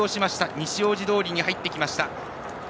西大路通に入ってきました。